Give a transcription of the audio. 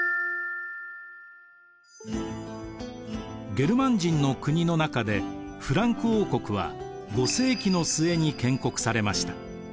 ゲルマン人の国の中でフランク王国は５世紀の末に建国されました。